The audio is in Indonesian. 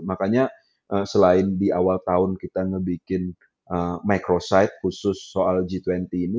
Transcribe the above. makanya selain di awal tahun kita ngebikin microsite khusus soal g dua puluh ini